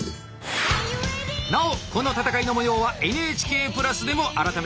なおこの戦いのもようは「ＮＨＫプラス」でも改めてご覧頂けます。